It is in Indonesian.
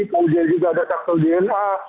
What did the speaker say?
kemudian juga data data dna